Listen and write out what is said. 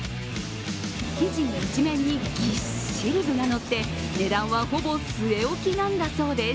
生地一面にぎっしり具が乗って、値段はほぼ据え置きなんだそうです。